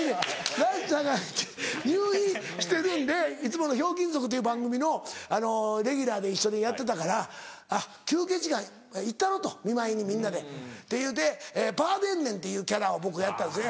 ラッシャーが入院してるんで『ひょうきん族』という番組のレギュラーで一緒にやってたから休憩時間行ったろと見舞いにみんなでっていうてパーデンネンっていうキャラを僕やってたんですね。